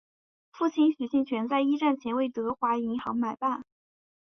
父亲许杏泉在一战前为德华银行买办。